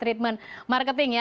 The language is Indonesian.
treatment marketing ya